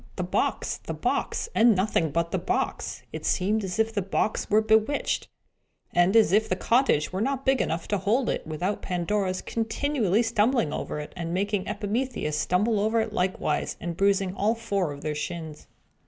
The box, the box, and nothing but the box! It seemed as if the box were bewitched, and as if the cottage were not big enough to hold it, without Pandora's continually stumbling over it, and making Epimetheus stumble over it likewise, and bruising all four of their shins.